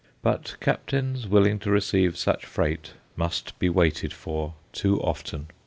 But captains willing to receive such freight must be waited for too often.